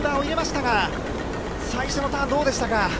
最初のターンはどうでしたか？